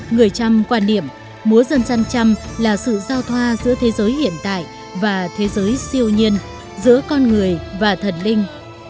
người trăm quan niệm múa dân gian trăm là sự giao thoa giữa thế giới hiện tại và thế giới siêu nhiên giữa con người và thần linh